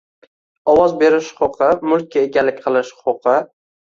ovoz berish huquqi, mulkka egalik qilish huquqi